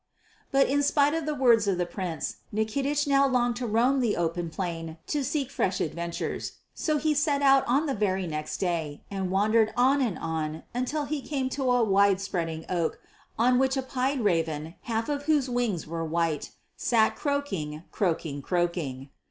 But in spite of the words of his Prince, Nikitich now longed to roam the open plain to seek fresh adventures. So he set out on the very next day and wandered on and on until he came to a wide spreading oak on which a pied raven, half of whose wings were white, sat croaking, croaking, croaking.